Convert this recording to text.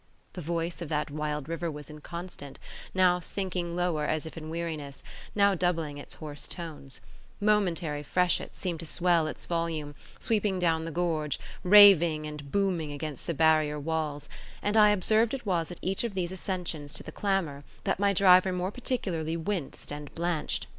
The voice of that wild river was inconstant, now sinking lower as if in weariness, now doubling its hoarse tones; momentary freshets seemed to swell its volume, sweeping down the gorge, raving and booming against the barrier walls; and I observed it was at each of these accessions to the clamour, that my driver more particularly winced and blanched.